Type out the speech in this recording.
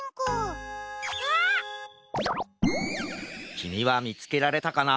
きみはみつけられたかな？